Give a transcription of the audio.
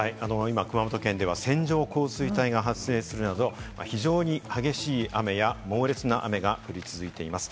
熊本県では線状降水帯が発生するなど非常に激しい雨や猛烈な雨が降り続いています。